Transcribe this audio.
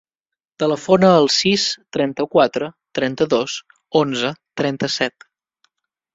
Telefona al sis, trenta-quatre, trenta-dos, onze, trenta-set.